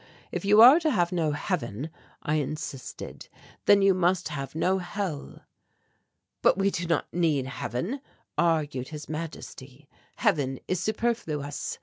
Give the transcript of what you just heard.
'If you are to have no Heaven,' I insisted, 'then you must have no Hell.' "'But we do not need Heaven,' argued His Majesty, 'Heaven is superfluous.